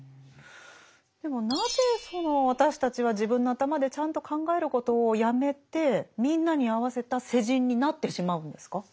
でもなぜその私たちは自分の頭でちゃんと考えることをやめてみんなに合わせた世人になってしまうんですか？